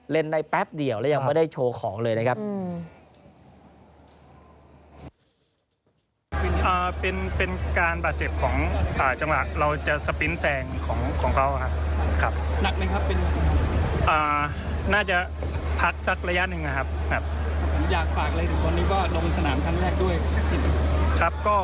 ได้แป๊บเดียวและยังไม่ได้โชว์ของเลยนะครับ